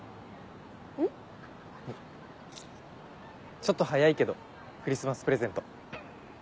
ちょっと早いけどクリスマスプレゼント。